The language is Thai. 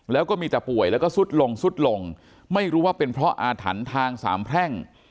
แล้วก็มีแต่ป่วยแล้วก็ซุดลงสุดลงไม่รู้ว่าเป็นเพราะอาถรรพ์ทางสามแพร่ง